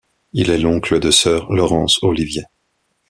Il est l'oncle de Sir Laurence Olivier.